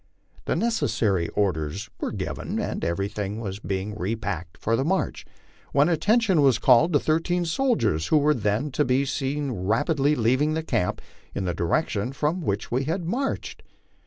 The neces sary orders were given and everything was being repacked for the march, when attention was called to thirteen soldiers who were then to be seen rap idly leaving camp in the direction from which we had marched.